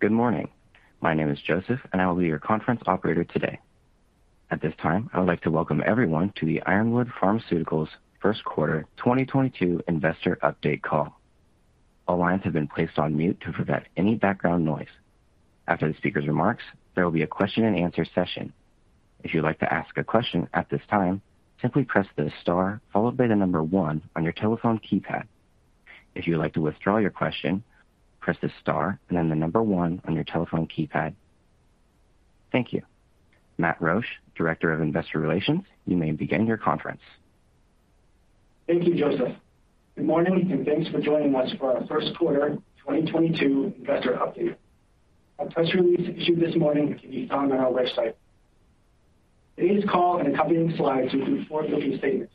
Good morning. My name is Joseph, and I will be your conference operator today. At this time, I would like to welcome everyone to the Ironwood Pharmaceuticals First Quarter 2022 Investor Update Call. All lines have been placed on mute to prevent any background noise. After the speaker's remarks, there will be a question-and-answer session. If you'd like to ask a question at this time, simply press the star followed by the number one on your telephone keypad. If you would like to withdraw your question, press the star and then the number one on your telephone keypad. Thank you. Matt Roache, Director of Investor Relations, you may begin your conference. Thank you, Joseph. Good morning, and thanks for joining us for our first quarter 2022 investor update. Our press release issued this morning can be found on our website. Today's call and accompanying slides include forward-looking statements.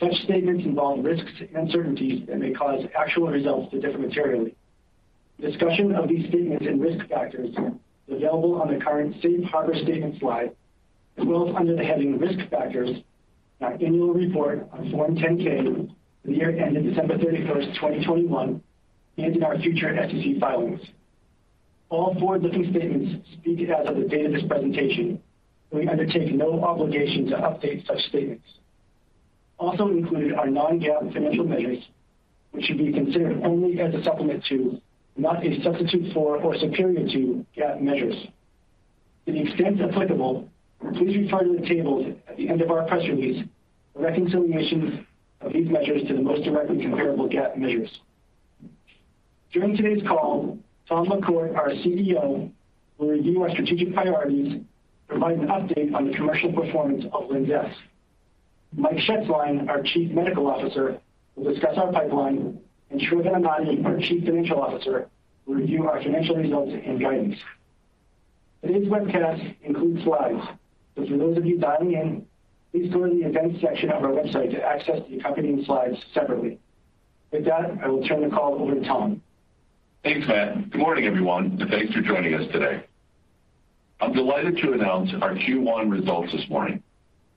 Such statements involve risks and uncertainties and may cause actual results to differ materially. Discussion of these statements and risk factors is available on the current Safe Harbor Statement slide, as well as under the heading Risk Factors in our annual report on Form 10-K for the year ended December 31st, 2021, and in our future SEC filings. All forward-looking statements speak as of the date of this presentation, and we undertake no obligation to update such statements. Also included are non-GAAP financial measures, which should be considered only as a supplement to, not a substitute for or superior to GAAP measures. To the extent applicable, please refer to the tables at the end of our press release for reconciliation of these measures to the most directly comparable GAAP measures. During today's call, Tom McCourt, our CEO, will review our strategic priorities and provide an update on the commercial performance of LINZESS. Mike Shetzline, our Chief Medical Officer, will discuss our pipeline, and Sravan Emany, our Chief Financial Officer, will review our financial results and guidance. Today's webcast includes slides, so for those of you dialing in, please go to the Events section of our website to access the accompanying slides separately. With that, I will turn the call over to Tom. Thanks, Matt. Good morning, everyone, and thanks for joining us today. I'm delighted to announce our Q1 results this morning.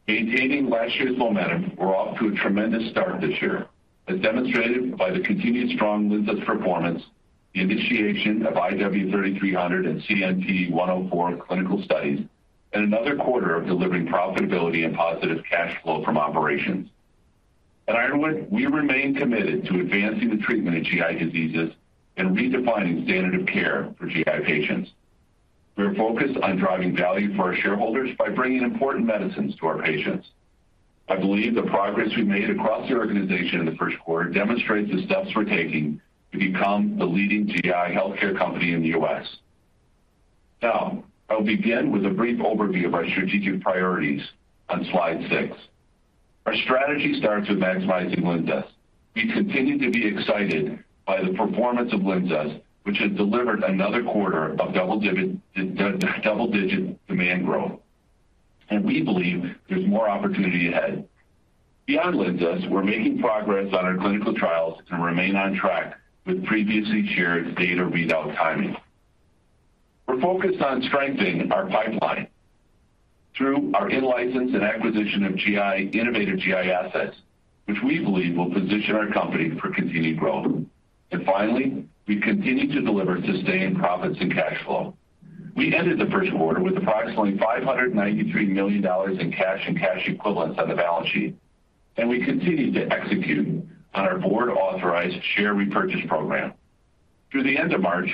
Maintaining last year's momentum, we're off to a tremendous start this year, as demonstrated by the continued strong LINZESS performance, the initiation of IW-3300 and CNP-104 clinical studies, and another quarter of delivering profitability and positive cash flow from operations. At Ironwood, we remain committed to advancing the treatment of GI diseases and redefining standard of care for GI patients. We are focused on driving value for our shareholders by bringing important medicines to our patients. I believe the progress we made across the organization in the first quarter demonstrates the steps we're taking to become the leading GI healthcare company in the U.S. Now, I'll begin with a brief overview of our strategic priorities on slide six. Our strategy starts with maximizing LINZESS. We continue to be excited by the performance of LINZESS, which has delivered another quarter of double-digit demand growth. We believe there's more opportunity ahead. Beyond LINZESS, we're making progress on our clinical trials and remain on track with previously shared data readout timing. We're focused on strengthening our pipeline through our in-license and acquisition of innovative GI assets, which we believe will position our company for continued growth. Finally, we continue to deliver sustained profits and cash flow. We ended the first quarter with approximately $593 million in cash and cash equivalents on the balance sheet, and we continued to execute on our board-authorized share repurchase program. Through the end of March,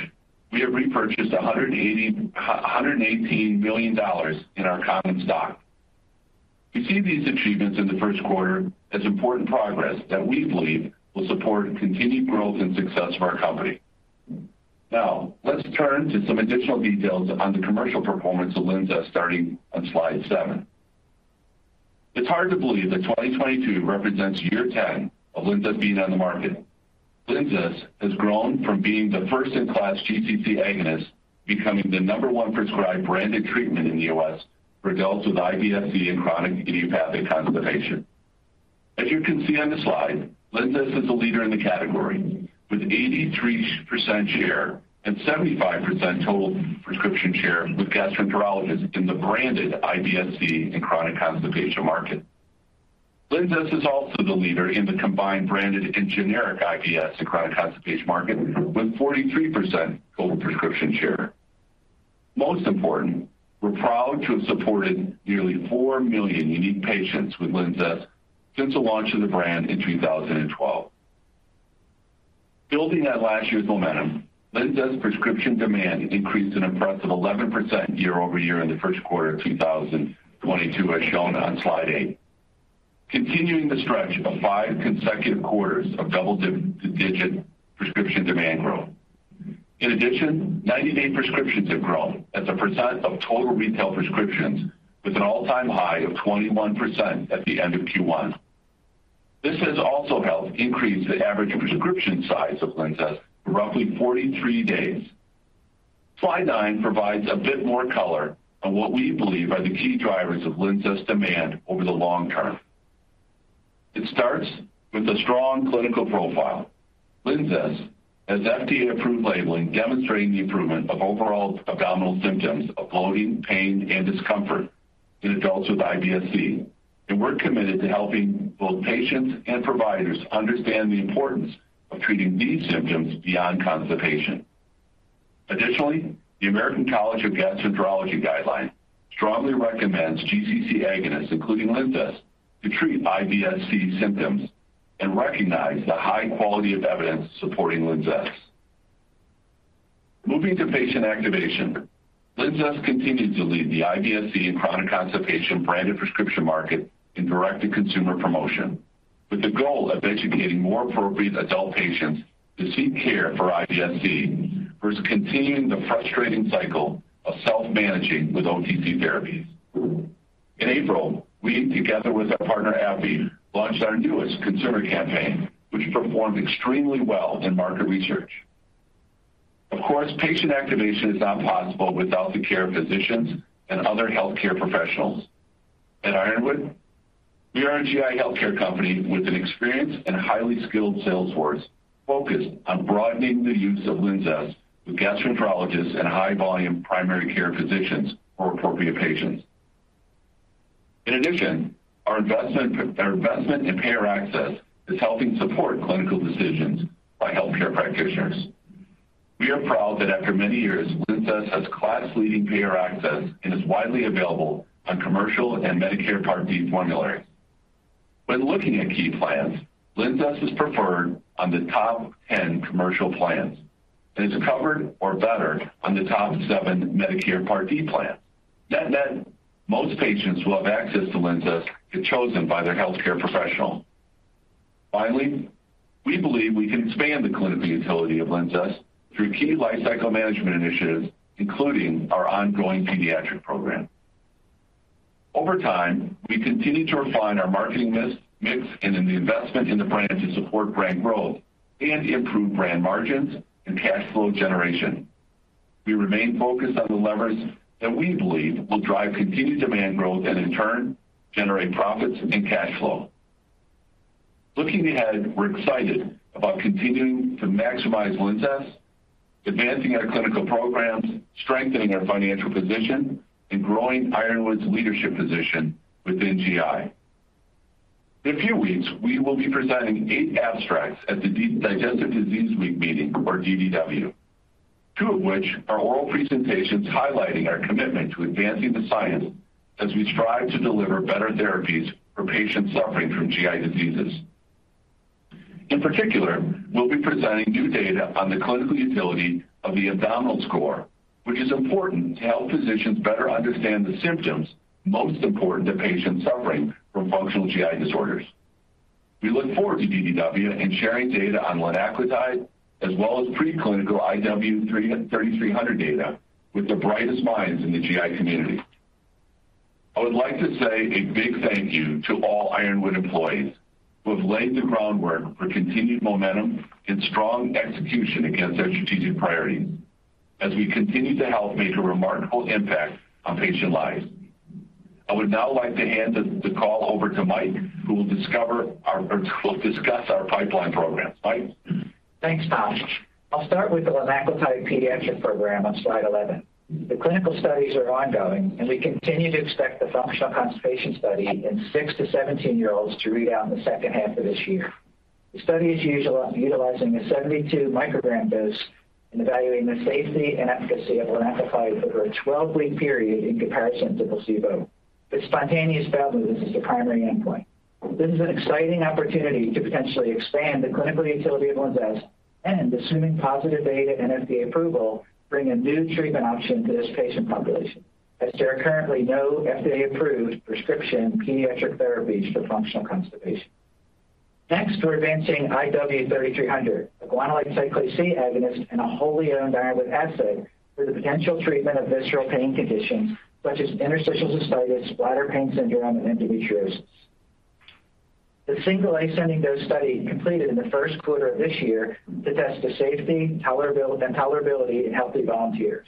we have repurchased $118 million in our common stock. We see these achievements in the first quarter as important progress that we believe will support continued growth and success of our company. Now, let's turn to some additional details on the commercial performance of LINZESS starting on slide seven. It's hard to believe that 2022 represents year 10 of LINZESS being on the market. LINZESS has grown from being the first-in-class GC-C agonist, becoming the number one prescribed branded treatment in the U.S. for adults with IBS-C and chronic idiopathic constipation. As you can see on the slide, LINZESS is a leader in the category with 83% share and 75% total prescription share with gastroenterologists in the branded IBS-C and chronic constipation market. LINZESS is also the leader in the combined branded and generic IBS and chronic constipation market with 43% total prescription share. Most important, we're proud to have supported nearly 4 million unique patients with LINZESS since the launch of the brand in 2012. Building on last year's momentum, LINZESS prescription demand increased an impressive 11% year-over-year in the first quarter of 2022, as shown on slide eight, continuing the stretch of five consecutive quarters of double-digit prescription demand growth. In addition, 90-day prescriptions have grown as a percent of total retail prescriptions with an all-time high of 21% at the end of Q1. This has also helped increase the average prescription size of LINZESS to roughly 43 days. Slide nine provides a bit more color on what we believe are the key drivers of LINZESS demand over the long term. It starts with a strong clinical profile. LINZESS has FDA-approved labeling demonstrating the improvement of overall abdominal symptoms of bloating, pain, and discomfort in adults with IBS-C. We're committed to helping both patients and providers understand the importance of treating these symptoms beyond constipation. Additionally, the American College of Gastroenterology guideline strongly recommends GC-C agonists, including LINZESS, to treat IBS-C symptoms and recognize the high quality of evidence supporting LINZESS. Moving to patient activation, LINZESS continues to lead the IBS-C and chronic constipation branded prescription market in direct-to-consumer promotion with the goal of educating more appropriate adult patients to seek care for IBS-C versus continuing the frustrating cycle of self-managing with OTC therapies. In April, we, together with our partner AbbVie, launched our newest consumer campaign, which performed extremely well in market research. Of course, patient activation is not possible without the care of physicians and other healthcare professionals. At Ironwood, we are a GI healthcare company with an experienced and highly skilled sales force focused on broadening the use of LINZESS with gastroenterologists and high-volume primary care physicians for appropriate patients. In addition, our investment in payer access is helping support clinical decisions by healthcare practitioners. We are proud that after many years, LINZESS has class-leading payer access and is widely available on commercial and Medicare Part D formularies. When looking at key plans, LINZESS is preferred on the top 10 commercial plans and is covered or better on the top seven Medicare Part D plans. Net net, most patients who have access to LINZESS if chosen by their healthcare professional. Finally, we believe we can expand the clinical utility of LINZESS through key lifecycle management initiatives, including our ongoing pediatric program. Over time, we continue to refine our marketing mix and in the investment in the brand to support brand growth and improve brand margins and cash flow generation. We remain focused on the levers that we believe will drive continued demand growth and, in turn, generate profits and cash flow. Looking ahead, we're excited about continuing to maximize LINZESS, advancing our clinical programs, strengthening our financial position, and growing Ironwood's leadership position within GI. In a few weeks, we will be presenting eight abstracts at the Digestive Disease Week meeting or DDW. Two of which are oral presentations highlighting our commitment to advancing the science as we strive to deliver better therapies for patients suffering from GI diseases. In particular, we'll be presenting new data on the clinical utility of the abdominal score, which is important to help physicians better understand the symptoms most important to patients suffering from functional GI disorders. We look forward to DDW and sharing data on linaclotide as well as preclinical IW-3300 data with the brightest minds in the GI community. I would like to say a big thank you to all Ironwood employees who have laid the groundwork for continued momentum and strong execution against our strategic priorities as we continue to help make a remarkable impact on patient lives. I would now like to hand the call over to Mike, who will discuss our pipeline programs. Mike? Thanks, Tom. I'll start with the linaclotide pediatric program on slide 11. The clinical studies are ongoing, and we continue to expect the functional constipation study in six- to 17-year-olds to read out in the second half of this year. The study is utilizing a 72-microgram dose and evaluating the safety and efficacy of linaclotide over a 12-week period in comparison to placebo, with spontaneous bowel movement as the primary endpoint. This is an exciting opportunity to potentially expand the clinical utility of LINZESS and, assuming positive data and FDA approval, bring a new treatment option to this patient population, as there are currently no FDA-approved prescription pediatric therapies for functional constipation. Next, we're advancing IW-3300, a guanylate cyclase-C agonist and a wholly owned Ironwood asset for the potential treatment of visceral pain conditions such as interstitial cystitis, bladder pain syndrome, and endometriosis. The single ascending dose study completed in the first quarter of this year to test the safety, tolerability in healthy volunteers.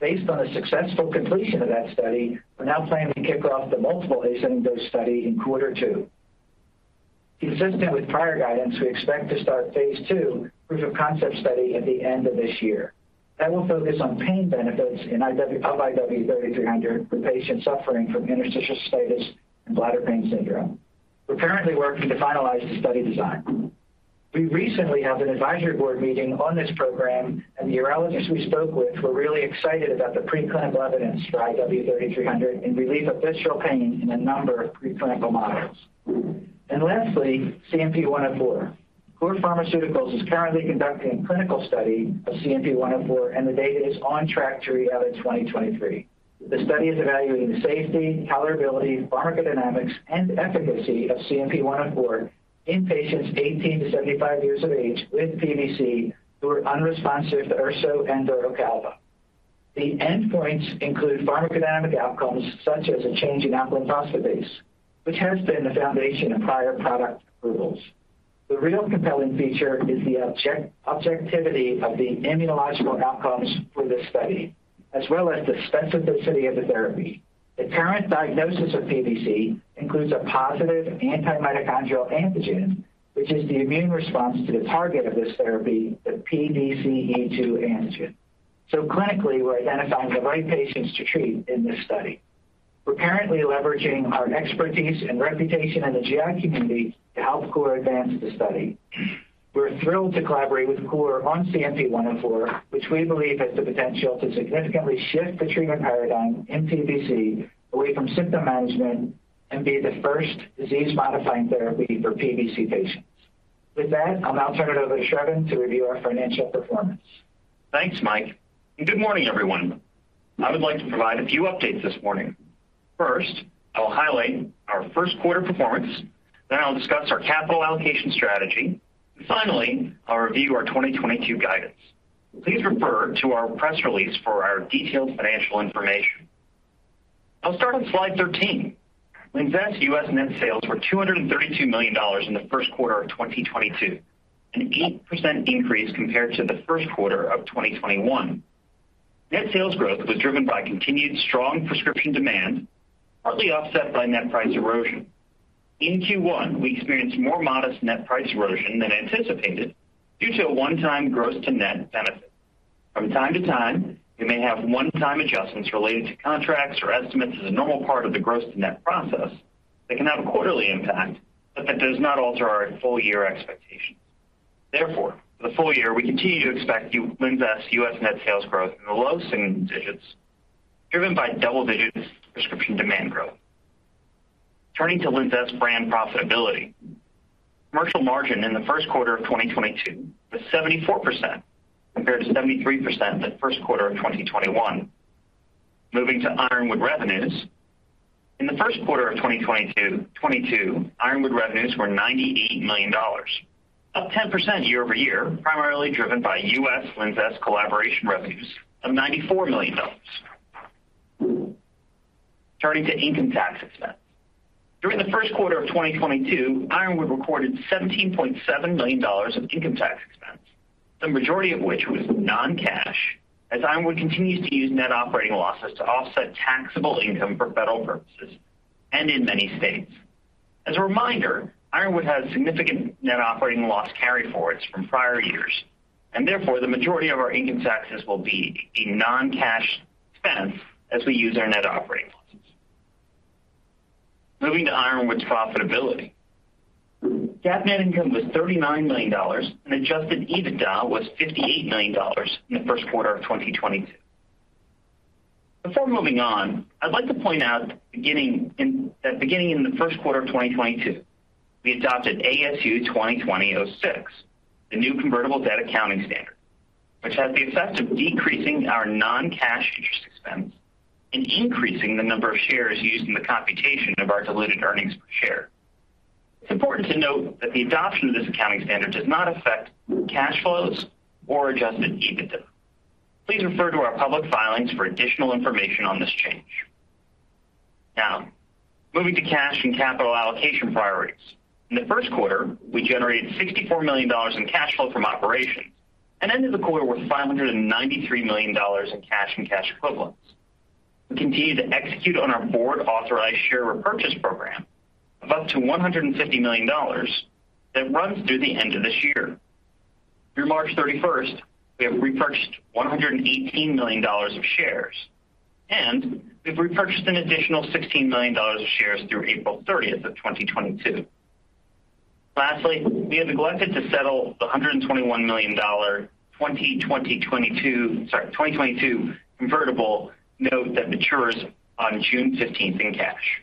Based on the successful completion of that study, we're now planning to kick off the multiple ascending dose study in quarter two. Consistent with prior guidance, we expect to start phase two proof-of-concept study at the end of this year. That will focus on pain benefits in IW-3300 for patients suffering from interstitial cystitis and bladder pain syndrome. We're currently working to finalize the study design. We recently held an advisory board meeting on this program, and the urologists we spoke with were really excited about the preclinical evidence for IW-3300 in relief of visceral pain in a number of preclinical models. Lastly, CNP-104. COUR Pharmaceuticals is currently conducting a clinical study of CNP-104, and the data is on track to read out in 2023. The study is evaluating the safety, tolerability, pharmacodynamics, and efficacy of CNP-104 in patients 18-75 years of age with PBC who are unresponsive to URSO and Ocaliva. The endpoints include pharmacodynamic outcomes such as a change in alkaline phosphatase, which has been the foundation of prior product approvals. The real compelling feature is the objectivity of the immunological outcomes for this study, as well as the specificity of the therapy. The current diagnosis of PBC includes a positive anti-mitochondrial antibody, which is the immune response to the target of this therapy, the PDC-E2 antigen. Clinically, we're identifying the right patients to treat in this study. We're currently leveraging our expertise and reputation in the GI community to help COUR advance the study. We're thrilled to collaborate with COUR on CNP-104, which we believe has the potential to significantly shift the treatment paradigm in PBC away from symptom management and be the first disease-modifying therapy for PBC patients. With that, I'll now turn it over to Sravan to review our financial performance. Thanks, Mike, and good morning, everyone. I would like to provide a few updates this morning. First, I will highlight our first quarter performance, then I'll discuss our capital allocation strategy. Finally, I'll review our 2022 guidance. Please refer to our press release for our detailed financial information. I'll start on slide 13. LINZESS U.S. net sales were $232 million in the first quarter of 2022, an 8% increase compared to the first quarter of 2021. Net sales growth was driven by continued strong prescription demand, partly offset by net price erosion. In Q1, we experienced more modest net price erosion than anticipated due to a one-time gross to net benefit. From time to time, we may have one-time adjustments related to contracts or estimates as a normal part of the gross to net process that can have a quarterly impact, but that does not alter our full-year expectations. Therefore, for the full year, we continue to expect LINZESS U.S. net sales growth in the low single digits, driven by double-digit prescription demand growth. Turning to LINZESS brand profitability. Commercial margin in the first quarter of 2022 was 74% compared to 73% in the first quarter of 2021. Moving to Ironwood revenues. In the first quarter of 2022, Ironwood revenues were $98 million, up 10% year-over-year, primarily driven by U.S. LINZESS collaboration revenues of $94 million. Turning to income tax expense. During the first quarter of 2022, Ironwood recorded $17.7 million of income tax expense, the majority of which was non-cash as Ironwood continues to use net operating losses to offset taxable income for federal purposes and in many states. As a reminder, Ironwood has significant net operating loss carryforwards from prior years, and therefore, the majority of our income taxes will be a non-cash expense as we use our net operating losses. Moving to Ironwood's profitability. GAAP net income was $39 million, and Adjusted EBITDA was $58 million in the first quarter of 2022. Before moving on, I'd like to point out beginning in the first quarter of 2022, we adopted ASU 2020-06, the new convertible debt accounting standard, which has the effect of decreasing our non-cash interest expense and increasing the number of shares used in the computation of our diluted earnings per share. It's important to note that the adoption of this accounting standard does not affect cash flows or Adjusted EBITDA. Please refer to our public filings for additional information on this change. Now, moving to cash and capital allocation priorities. In the first quarter, we generated $64 million in cash flow from operations and ended the quarter with $593 million in cash and cash equivalents. We continue to execute on our board-authorized share repurchase program of up to $150 million that runs through the end of this year. Through March 31st, we have repurchased $118 million of shares, and we've repurchased an additional $16 million of shares through April 30, 2022. Lastly, we have elected to settle the $121 million 2022 convertible note that matures on June 15 in cash.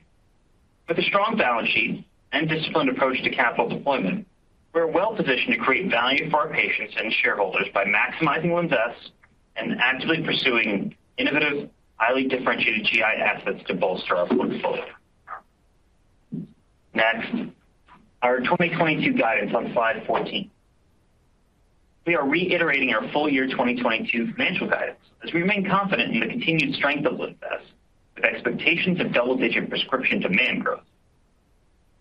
With a strong balance sheet and disciplined approach to capital deployment, we're well positioned to create value for our patients and shareholders by maximizing LINZESS and actively pursuing innovative, highly differentiated GI assets to bolster our portfolio. Next, our 2022 guidance on slide 14. We are reiterating our full-year 2022 financial guidance as we remain confident in the continued strength of LINZESS with expectations of double-digit prescription demand growth.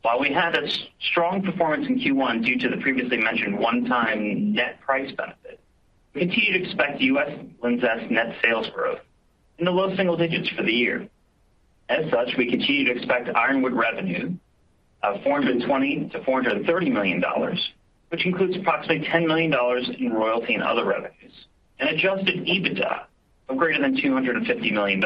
While we had a strong performance in Q1 due to the previously mentioned one-time net price benefit, we continue to expect U.S. LINZESS net sales growth in the low single digits for the year. As such, we continue to expect Ironwood revenue of $420 million-$430 million, which includes approximately $10 million in royalty and other revenues, and adjusted EBITDA of greater than $250 million.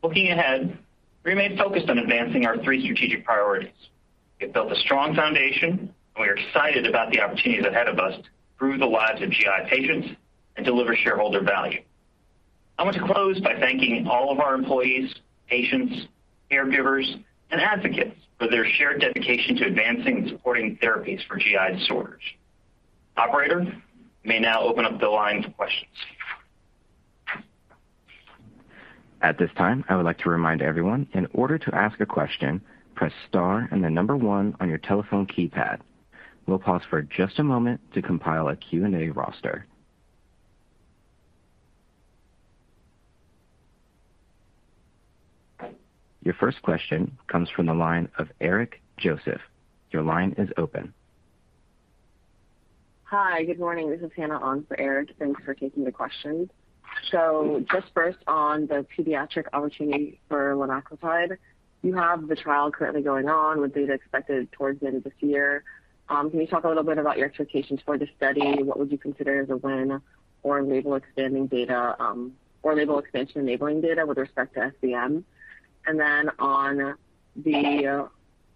Looking ahead, we remain focused on advancing our three strategic priorities. We have built a strong foundation, and we are excited about the opportunities ahead of us to improve the lives of GI patients and deliver shareholder value. I want to close by thanking all of our employees, patients, caregivers, and advocates for their shared dedication to advancing and supporting therapies for GI disorders. Operator, you may now open up the line to questions. At this time, I would like to remind everyone in order to ask a question, press star and the number one on your telephone keypad. We'll pause for just a moment to compile a Q&A roster. Your first question comes from the line of Eric Joseph. Your line is open. Hi. Good morning. This is Hannah on for Eric. Thanks for taking the question. Just first on the pediatric opportunity for linaclotide, you have the trial currently going on with data expected towards the end of this year. Can you talk a little bit about your expectations for the study? What would you consider as a win or enabling data with respect to SBM?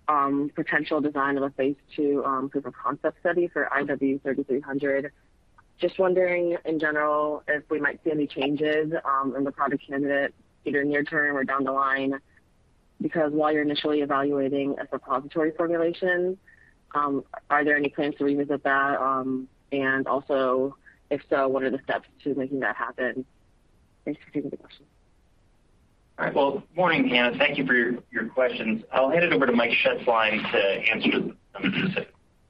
On the potential design of a phase II proof of concept study for IW-3300. Just wondering in general if we might see any changes in the product candidate either near term or down the line. Because while you're initially evaluating a repository formulation, are there any plans to revisit that? And also if so, what are the steps to making that happen? Thanks for taking the question. All right. Well, morning, Hannah. Thank you for your questions. I'll hand it over to Mike Shetzline to answer them specifically.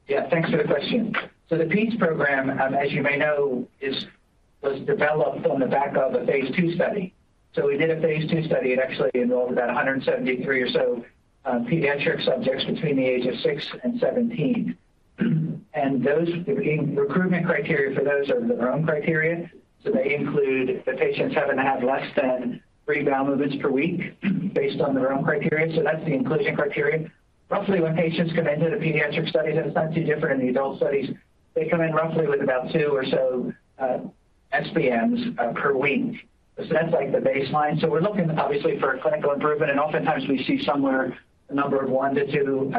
Yeah. Thanks for the question. The PEDS program, as you may know, was developed on the back of a phase II study. We did a phase I study. It actually involved about 173 or so pediatric subjects between the age of six and 17. The recruitment criteria for those are the Rome criteria. They include the patients having to have less than three bowel movements per week based on the Rome criteria. That's the inclusion criteria. Roughly when patients come into the pediatric studies, and it's not too different in the adult studies, they come in roughly with about two or so SBMs per week. That's like the baseline. We're looking obviously for a clinical improvement, and oftentimes we see somewhere a number of one to two,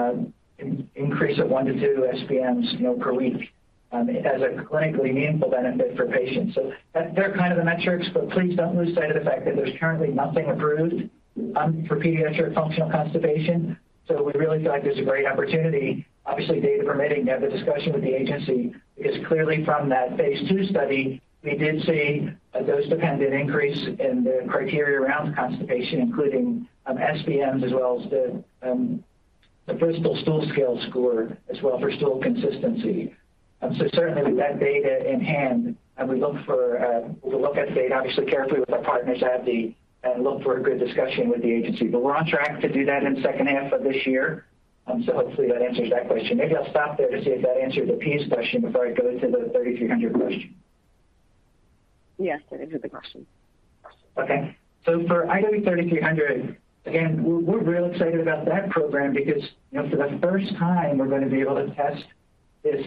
increase of one to two SBMs, you know, per week, as a clinically meaningful benefit for patients. That's the metrics, but please don't lose sight of the fact that there's currently nothing approved for pediatric functional constipation. We really feel like there's a great opportunity, obviously data permitting, to have a discussion with the agency, because clearly from that phase II study, we did see a dose-dependent increase in the criteria around constipation, including SBMs as well as the Bristol Stool Scale score as well for stool consistency. Certainly with that data in hand, we'll look at the data obviously carefully with our partners and look for a good discussion with the agency. We're on track to do that in second half of this year. Hopefully that answers that question. Maybe I'll stop there to see if that answers the PBC question before I go to the IW-3300 question. Yes, that answers the question. Okay. For IW-3300, again, we're real excited about that program because, you know, for the first time we're gonna be able to test this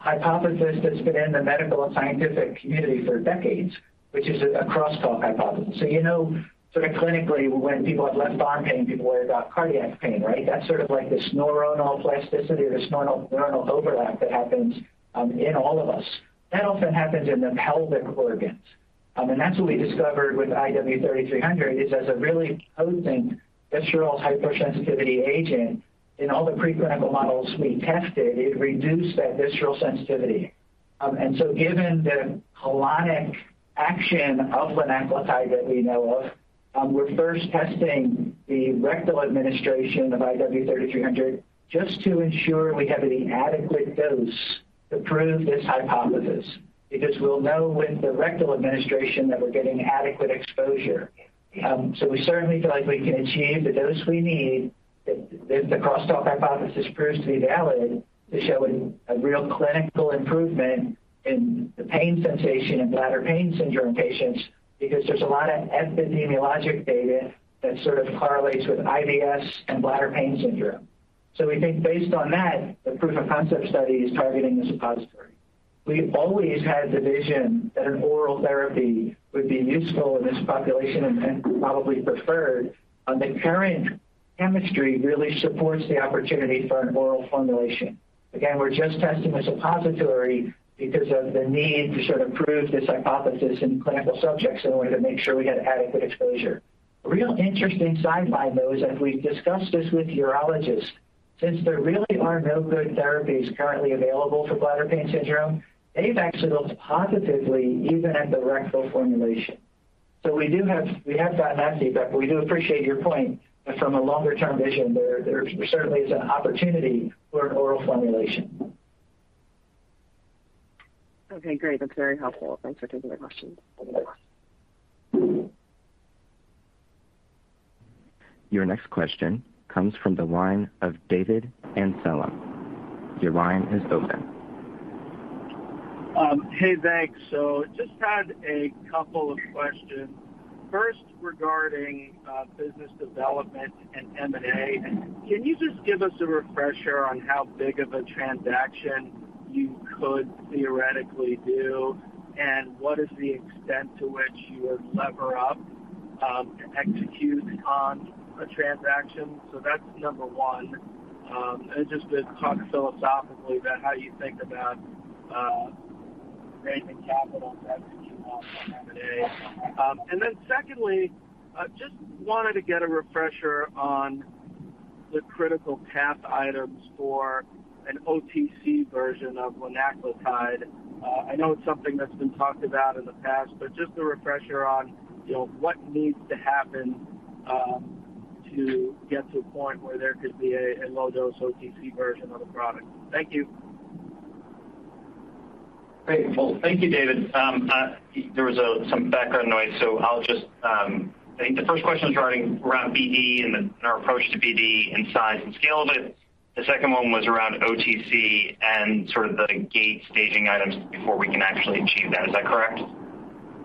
hypothesis that's been in the medical and scientific community for decades, which is a crosstalk hypothesis. You know sort of clinically when people have left arm pain, people worry about cardiac pain, right? That's sort of like this neuronal plasticity or this neuronal overlap that happens in all of us. That often happens in the pelvic organs. That's what we discovered with IW-3300 is as a really potent visceral hypersensitivity agent. In all the preclinical models we tested, it reduced that visceral sensitivity. Given the colonic action of linaclotide that we know of, we're first testing the rectal administration of IW-3300 just to ensure we have an adequate dose to prove this hypothesis. Because we'll know with the rectal administration that we're getting adequate exposure. We certainly feel like we can achieve the dose we need if the crosstalk hypothesis proves to be valid to show a real clinical improvement in the pain sensation in bladder pain syndrome patients, because there's a lot of epidemiologic data that sort of correlates with IBS and bladder pain syndrome. We think based on that, the proof of concept study is targeting the suppository. We've always had the vision that an oral therapy would be useful in this population and probably preferred. The current chemistry really supports the opportunity for an oral formulation. Again, we're just testing the suppository because of the need to sort of prove this hypothesis in clinical subjects in order to make sure we had adequate exposure. A real interesting sideline, though, is that we've discussed this with urologists. Since there really are no good therapies currently available for bladder pain syndrome, they've actually looked positively even at the rectal formulation. We have gotten that feedback, but we do appreciate your point that from a longer-term vision, there certainly is an opportunity for an oral formulation. Okay, great. That's very helpful. Thanks for taking my question. Thanks. Your next question comes from the line of David Amsellem. Your line is open. Hey, thanks. Just had a couple of questions. First regarding business development and M&A. Can you just give us a refresher on how big of a transaction you could theoretically do, and what is the extent to which you would lever up to execute on a transaction? That's number one. Just to talk philosophically about how you think about raising capital to execute on M&A. Secondly, just wanted to get a refresher on the critical path items for an OTC version of linaclotide. I know it's something that's been talked about in the past, but just a refresher on, you know, what needs to happen to get to a point where there could be a low-dose OTC version of the product. Thank you. Great. Well, thank you, David. There was some background noise, so I'll just. I think the first question is regarding our approach to BD and size and scale of it. The second one was around OTC and sort of the gate staging items before we can actually achieve that. Is that correct?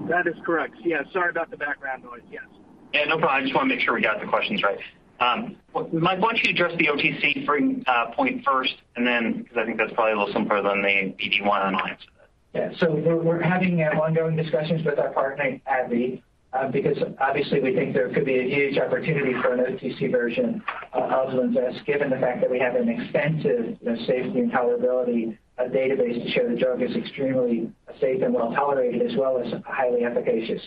That is correct. Yeah. Sorry about the background noise. Yes. Yeah, no problem. I just want to make sure we got the questions right. Mike, why don't you address the OTC frame point first and then because I think that's probably a little simpler than the DG one, and I'll answer that. Yeah. We're having ongoing discussions with our partner at AbbVie, because obviously we think there could be a huge opportunity for an OTC version of LINZESS, given the fact that we have an extensive safety and tolerability database to show the drug is extremely safe and well tolerated as well as highly efficacious.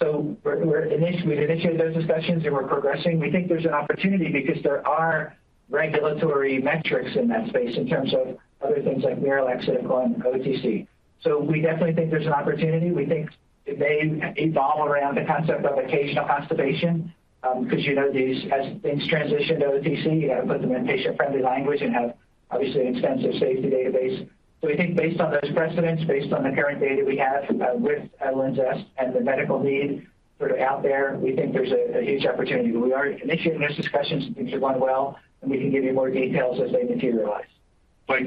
We've initiated those discussions and we're progressing. We think there's an opportunity because there are regulatory metrics in that space in terms of other things like MiraLAX that have gone OTC. We definitely think there's an opportunity. We think it may evolve around the concept of occasional constipation, because, you know, these as things transition to OTC, you got to put them in patient-friendly language and have obviously an extensive safety database. We think based on those precedents, based on the current data we have, with LINZESS and the medical need sort of out there, we think there's a huge opportunity. We are initiating those discussions, and things are going well, and we can give you more details as they materialize. Hi,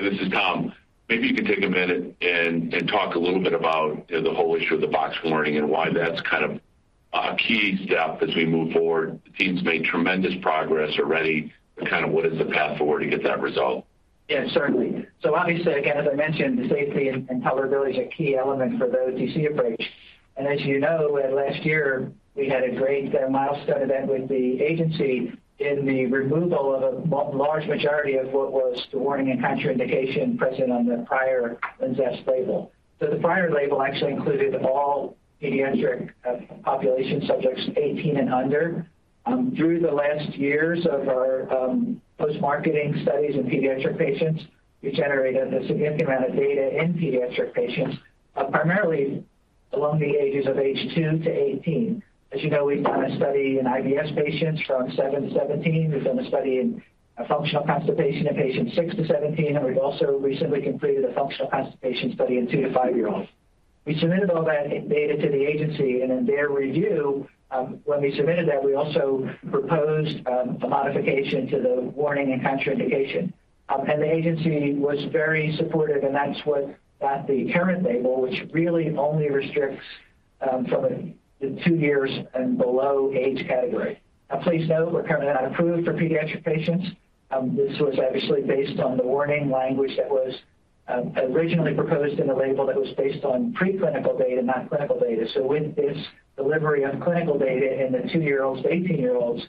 this is Tom. Maybe you can take a minute and talk a little bit about the whole issue of the box warning and why that's kind of a key step as we move forward. The team's made tremendous progress already to kind of what is the path forward to get that result. Yeah, certainly. Obviously, again, as I mentioned, the safety and tolerability is a key element for the OTC approach. As you know, last year we had a great milestone event with the agency in the removal of a large majority of what was the warning and contraindication present on the prior LINZESS label. The prior label actually included all pediatric population subjects 18 and under. Through the last years of our post-marketing studies in pediatric patients, we generated a significant amount of data in pediatric patients, primarily along the ages of two to 18. As you know, we've done a study in IBS patients from seven to 17. We've done a study in functional constipation in patients six to 17, and we've also recently completed a functional constipation study in two- to five-year-olds. We submitted all that data to the agency, and in their review, when we submitted that, we also proposed a modification to the warning and contraindication. The agency was very supportive, and that's what got the current label, which really only restricts from the two years and below age category. Now, please note we're currently not approved for pediatric patients. This was obviously based on the warning language that was originally proposed in the label that was based on preclinical data, not clinical data. With this delivery of clinical data in the two-year-olds to 18-year-olds,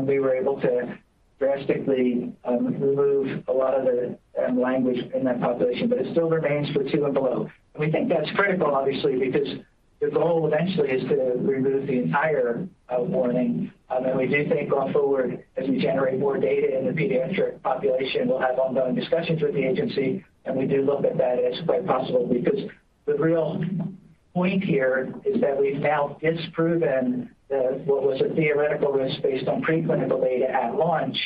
we were able to drastically remove a lot of the language in that population, but it still remains for two and below. We think that's critical, obviously, because the goal eventually is to remove the entire warning. We do think going forward, as we generate more data in the pediatric population, we'll have ongoing discussions with the agency. We do look at that as quite possible because the real point here is that we've now disproven the, what was a theoretical risk based on preclinical data at launch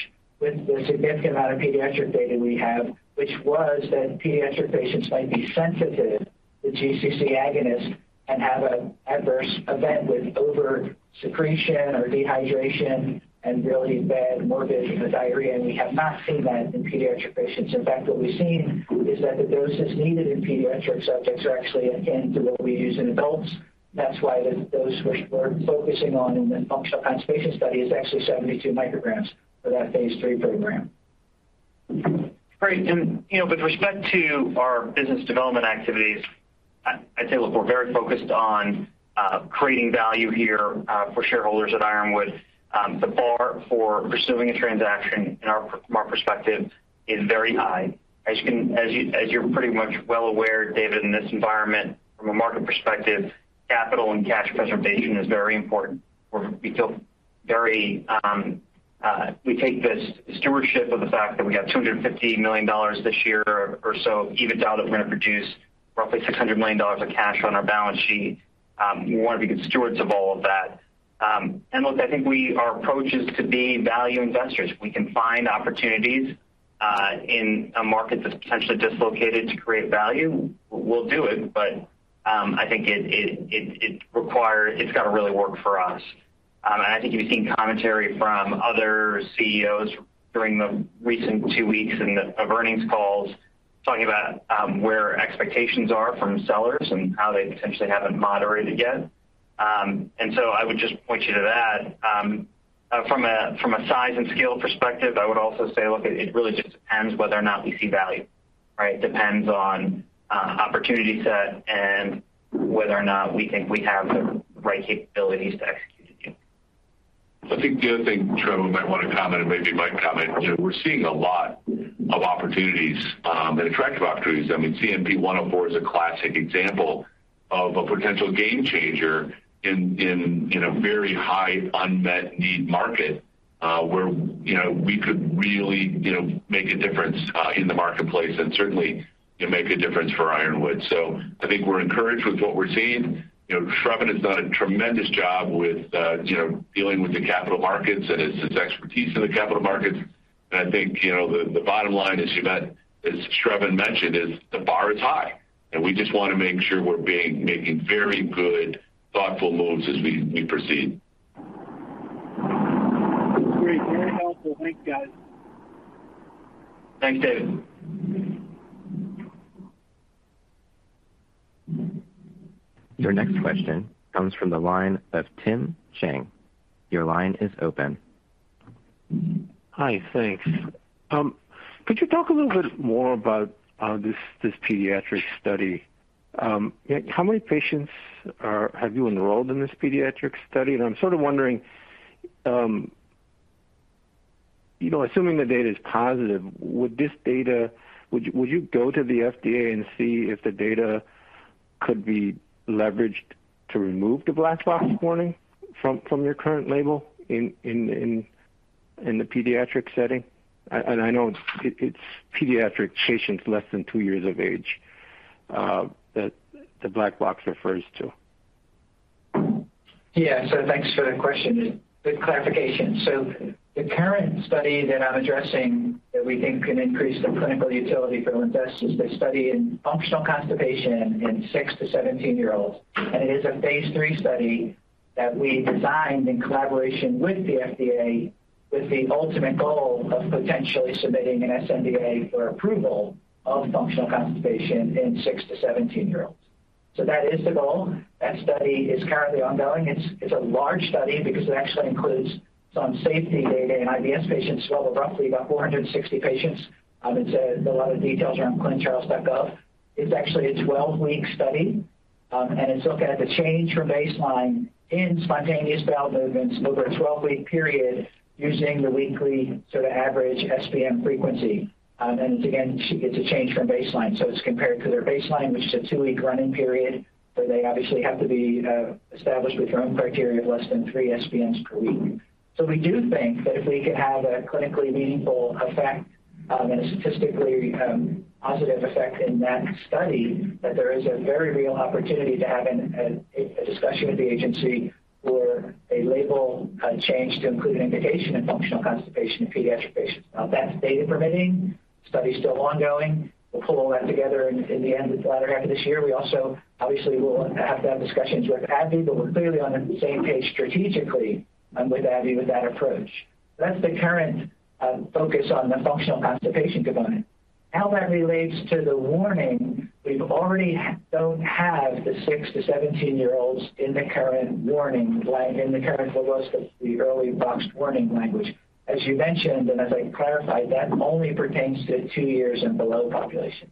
with the significant amount of pediatric data we have, which was that pediatric patients might be sensitive to GC-C agonist and have an adverse event with over secretion or dehydration and really bad morbid diarrhea. We have not seen that in pediatric patients. In fact, what we've seen is that the doses needed in pediatric subjects are actually akin to what we use in adults. That's why the dose we're focusing on in the functional constipation study is actually 72 mcg for that phase III program. Great. You know, with respect to our business development activities, I'd say, look, we're very focused on creating value here for shareholders at Ironwood. The bar for pursuing a transaction from our perspective is very high. As you're pretty much well aware, David, in this environment from a market perspective, capital and cash preservation is very important. We take this stewardship of the fact that we have $250 million this year or so, even though that we're going to produce roughly $600 million of cash on our balance sheet. We want to be good stewards of all of that. Look, I think our approach is to be value investors. If we can find opportunities in a market that's potentially dislocated to create value, we'll do it. I think it's got to really work for us. I think you've seen commentary from other CEOs during the recent two weeks of earnings calls talking about where expectations are from sellers and how they potentially haven't moderated yet. I would just point you to that. From a size and scale perspective, I would also say, look, it really just depends whether or not we see value, right? Depends on opportunity set and whether or not we think we have the right capabilities to execute. I think the other thing Sravan might want to comment and maybe Mike comment, we're seeing a lot of opportunities, and attractive opportunities. I mean, CNP-104 is a classic example of a potential game changer in a very high unmet need market, where, you know, we could really, you know, make a difference in the marketplace and certainly, you know, make a difference for Ironwood. I think we're encouraged with what we're seeing. You know, Sravan has done a tremendous job with, you know, dealing with the capital markets and his expertise in the capital markets. I think, you know, the bottom line, as Sravan mentioned, is the bar is high. We just wanna make sure we're making very good, thoughtful moves as we proceed. Great. Very helpful. Thanks, guys. Thanks, David. Your next question comes from the line of Tim Chiang. Your line is open. Hi, thanks. Could you talk a little bit more about this pediatric study? How many patients have you enrolled in this pediatric study? I'm sort of wondering, you know, assuming the data is positive, would you go to the FDA and see if the data could be leveraged to remove the black box warning from your current label in the pediatric setting? I know it's pediatric patients less than two years of age that the black box refers to. Yeah. Thanks for the question and the clarification. The current study that I'm addressing that we think can increase the clinical utility for LINZESS is the study in functional constipation in six to 17-year-olds. It is a phase III study that we designed in collaboration with the FDA, with the ultimate goal of potentially submitting an sNDA for approval of functional constipation in six to 17-year-olds. That is the goal. That study is currently ongoing. It's a large study because it actually includes some safety data in IBS patients as well, of roughly about 460 patients. It's a lot of details are on ClinicalTrials.gov. It's actually a 12-week study, and it's looking at the change from baseline in spontaneous bowel movements over a 12-week period using the weekly sort of average SBM frequency. It's a change from baseline, so it's compared to their baseline, which is a two-week running period, where they obviously have to be established with their own criteria of less than three SBMs per week. We do think that if we could have a clinically meaningful effect and a statistically positive effect in that study, that there is a very real opportunity to have a discussion with the agency for a label change to include an indication in functional constipation in pediatric patients. Now that's data permitting. Study's still ongoing. We'll pull all that together in the end of the latter half of this year. We also obviously will have to have discussions with AbbVie, but we're clearly on the same page strategically with AbbVie with that approach. That's the current focus on the functional constipation component. How that relates to the warning, we already don't have the six to 17-year-olds in the current warning language in the current what was the early boxed warning language. As you mentioned, and as I clarified, that only pertains to two years and below population.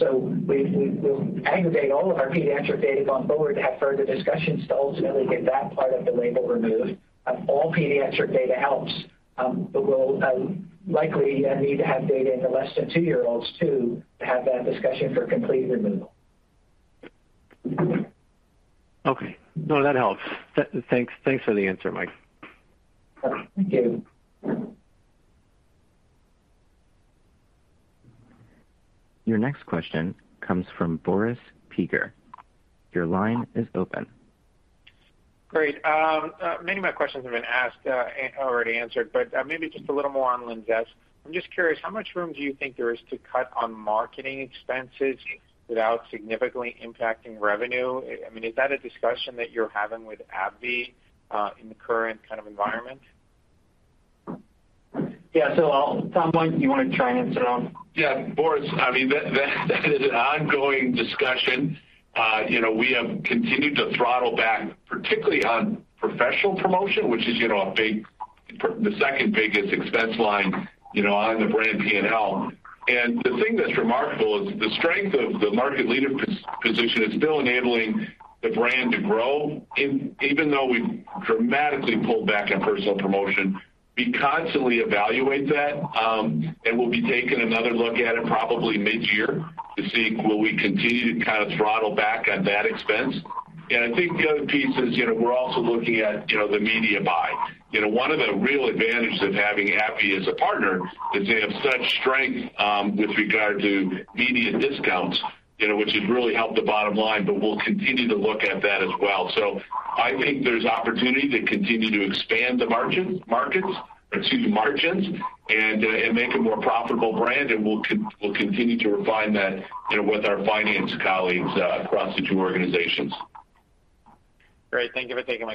We'll aggregate all of our pediatric data going forward to have further discussions to ultimately get that part of the label removed. All pediatric data helps, but we'll likely need to have data in the less than two-year-olds too, to have that discussion for complete removal. Okay. No, that helps. Thanks for the answer, Mike. Thank you. Your next question comes from Boris Peaker. Your line is open. Great. Many of my questions have been asked and already answered, but maybe just a little more on LINZESS. I'm just curious, how much room do you think there is to cut on marketing expenses without significantly impacting revenue? I mean, is that a discussion that you're having with AbbVie in the current kind of environment? Yeah. Tom, do you wanna try and answer that one? Yeah. Boris, I mean, that is an ongoing discussion. You know, we have continued to throttle back, particularly on professional promotion, which is, you know, the second-biggest expense line, you know, on the brand P&L. The thing that's remarkable is the strength of the market leader position is still enabling the brand to grow even though we've dramatically pulled back on personal promotion. We constantly evaluate that, and we'll be taking another look at it probably mid-year to see will we continue to kind of throttle back on that expense. I think the other piece is, you know, we're also looking at, you know, the media buy. You know, one of the real advantages of having AbbVie as a partner is they have such strength with regard to Medicaid discounts, you know, which has really helped the bottom line, but we'll continue to look at that as well. I think there's opportunity to continue to expand the margins and make a more profitable brand, and we'll continue to refine that, you know, with our finance colleagues across the two organizations. Great. Thank you for taking my question.